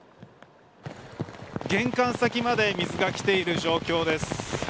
玄関先まで水がきている状況です。